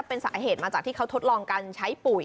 เป็น๒กิโลกรัมค่ะ